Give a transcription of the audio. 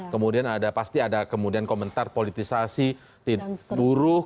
kemudian ada pasti ada kemudian komentar politisasi buruh